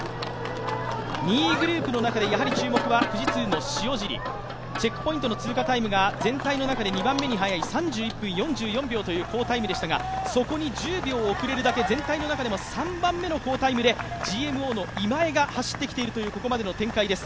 ２位グループの中で注目は富士通の塩尻、チェックポイントの通過タイムが全体の中で２番目に速い３１分４４秒という好タイムでしたが、そこに１０秒遅れるだけ全体の中でも３番目の好タイムでＧＭＯの今江が走っている展開です。